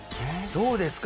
どうですか？